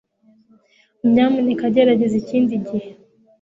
nyamuneka gerageza ikindi gihe